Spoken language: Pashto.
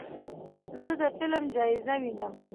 زه د فلم جایزه وینم.